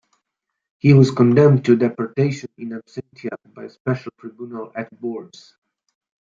He was condemned to deportation in absentia by a special tribunal at Bourges.